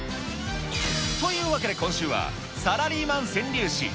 というわけで今週は、サラリーマン川柳史。